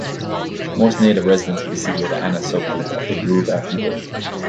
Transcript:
Most native residents of the city are the Ana subgroup of the Yoruba people.